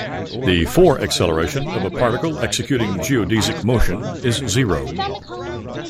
The four-acceleration of a particle executing geodesic motion is zero.